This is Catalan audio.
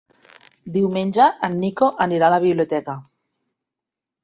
Diumenge en Nico anirà a la biblioteca.